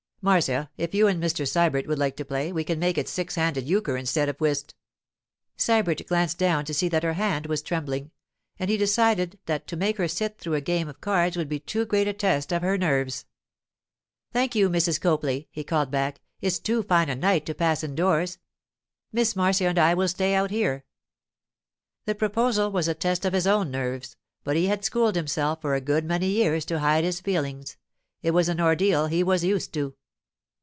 'Marcia, if you and Mr. Sybert would like to play, we can make it six handed euchre instead of whist.' Sybert glanced down to see that her hand was trembling, and he decided that to make her sit through a game of cards would be too great a test of her nerves. 'Thank you, Mrs. Copley,' he called back; 'it's too fine a night to pass indoors. Miss Marcia and I will stay out here.' The proposal was a test of his own nerves, but he had schooled himself for a good many years to hide his feelings; it was an ordeal he was used to.